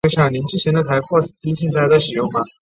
莱瑟萨尔特。